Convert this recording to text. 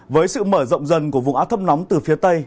với sự mở rộng dần của vùng áp thấp nóng từ phía tây